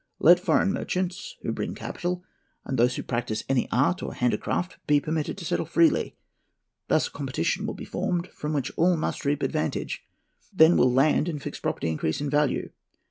Let foreign merchants, who bring capital, and those who practise any art or handicraft, be permitted to settle freely. Thus a competition will be formed, from which all must reap advantage. Then will land and fixed property increase in value.